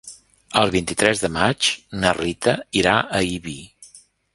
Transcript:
El vint-i-tres de maig na Rita irà a Ibi.